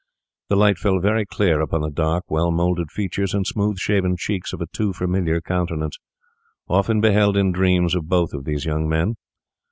The light fell very clear upon the dark, well moulded features and smooth shaven cheeks of a too familiar countenance, often beheld in dreams of both of these young men.